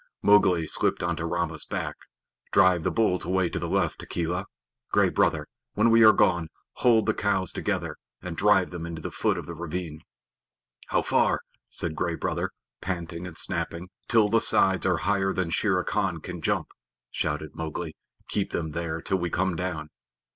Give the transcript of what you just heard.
Mowgli slipped on to Rama's back. "Drive the bulls away to the left, Akela. Gray Brother, when we are gone, hold the cows together, and drive them into the foot of the ravine." "How far?" said Gray Brother, panting and snapping. "Till the sides are higher than Shere Khan can jump," shouted Mowgli. "Keep them there till we come down."